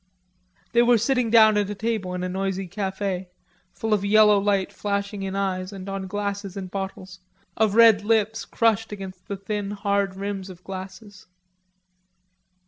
They were sitting down at a table in a noisy cafe, full of yellow light flashing in eyes and on glasses and bottles, of red lips crushed against the thin hard rims of glasses.